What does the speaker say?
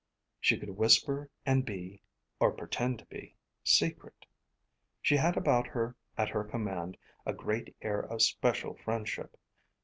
She could whisper and be or pretend to be secret. She had about her, at her command, a great air of special friendship.